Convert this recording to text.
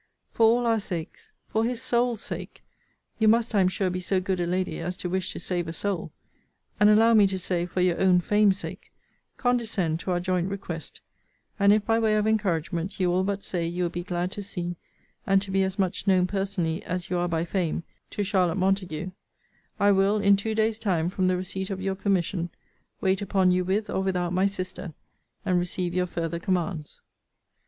] for all our sakes, for his soul's sake, [you must, I am sure, be so good a lady, as to wish to save a soul!] and allow me to say, for your own fame's sake, condescend to our joint request: and if, by way of encouragement, you will but say you will be glad to see, and to be as much known personally, as you are by fame, to Charlotte Montague, I will, in two days' time from the receipt of your permission, wait upon you with or without my sister, and receive your farther commands.